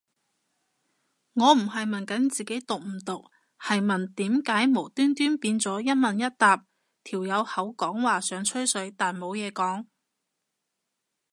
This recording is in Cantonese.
我唔係問緊自己毒唔毒，係問點解無端端變咗一問一答，條友口講話想吹水但冇嘢講